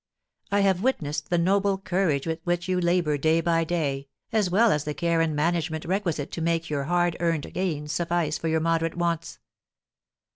I have witnessed the noble courage with which you labour day by day, as well as the care and management requisite to make your hard earned gain suffice for your moderate wants.